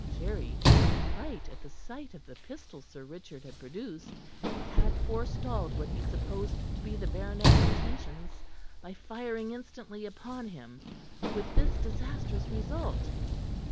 Jerry, taking fright at the sight of the pistol Sir Richard had produced, had forestalled what he supposed to be the baronet's intentions by firing instantly upon him, with this disastrous result.